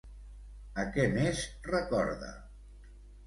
A què més recorda?